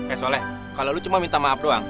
eh soleh kalau lu cuma minta maaf doang